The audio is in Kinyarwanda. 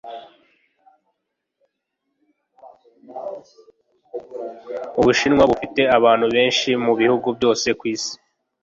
ubushinwa bufite abantu benshi mubihugu byose kwisi